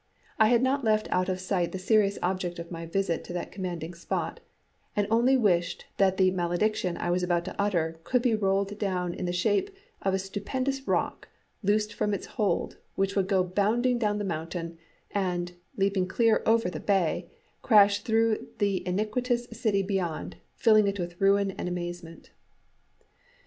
I had not left out of sight the serious object of my visit to that commanding spot, and only wished that the malediction I was about to utter could be rolled down in the shape of a stupendous rock, loosed from its hold, which would go bounding down the mountain, and, leaping clear over the bay, crash through the iniquitous city beyond, filling it with ruin and amazement.